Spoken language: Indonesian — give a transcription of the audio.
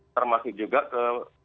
termasuk juga ke